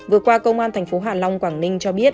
vừa qua công an thành phố hạ long quảng ninh cho biết